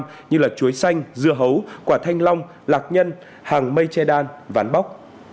hàng hóa xuất khẩu chủ yếu là chuối xanh dưa hấu quả thanh long lạc nhân hàng mây che đan ván bóc